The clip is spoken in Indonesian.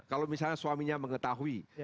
kalau misalnya suaminya mengetahui